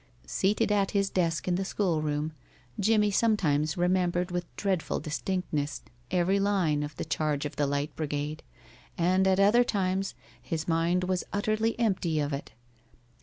Seated at his desk in the school room, Jimmie sometimes remembered with dreadful distinctness every line of "The Charge of the Light Brigade," and at other times his mind was utterly empty of it.